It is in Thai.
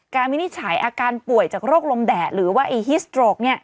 วินิจฉัยอาการป่วยจากโรคลมแดดหรือว่าอีฮิสโตรก